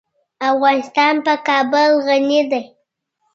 افغانستان په کابل غني دی.